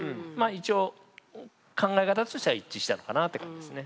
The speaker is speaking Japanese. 一応考え方としては一致したのかなって感じですね。